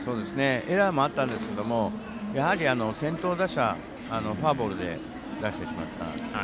エラーもあったんですけどもやはり、先頭打者フォアボールで出してしまった。